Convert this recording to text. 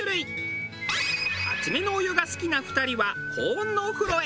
熱めのお湯が好きな２人は高温のお風呂へ。